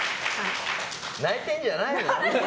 泣いてるんじゃないの？